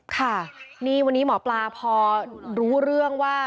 ค่ะนี่วันนี้หมอปลาพอรู้เรื่องว่า